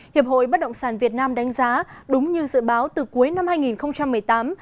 hiệp hội bất động sản việt nam đánh giá đúng như dự báo từ cuối năm hai nghìn một mươi tám